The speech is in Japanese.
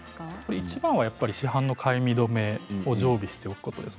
いちばんは市販のかゆみ止めを常備しておくことです。